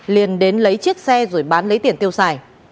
liền đến lấy chiếc xe rồi bán lấy tiền tiêu xài